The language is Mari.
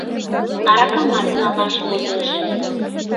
Аракамат налаш возеш.